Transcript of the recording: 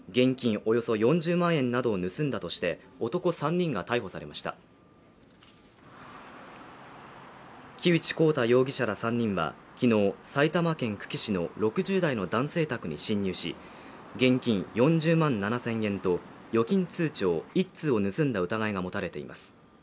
およそ４０万円などを盗んだとして男３人が逮捕されました木内耕太容疑者ら３人はきのう埼玉県久喜市の６０代の男性宅に侵入し現金４０万７０００円と預金通帳１通を盗んだ疑いが持たれています